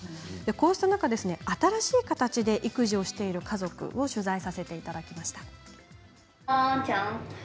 こうした中、新しい形で育児をしている家族を取材させていただきました。